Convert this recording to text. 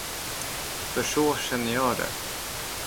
För så känner jag det.